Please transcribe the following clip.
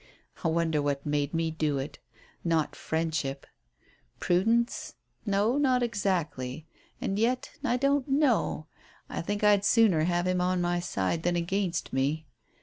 I wonder what made me do it? Not friendship. Prudence? No, not exactly. And yet I don't know. I think I'd sooner have him on my side than against me."